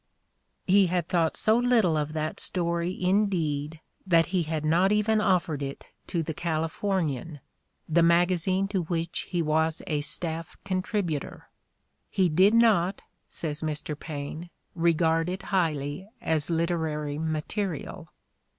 " He had thought so little of that story indeed that he had not even offered it to The Calif ornian, the magazine to which he was a staff contributor: "he did not," says Mr. Paine, "regard it highly as literary material."